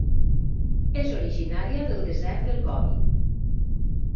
És originària del desert del Gobi.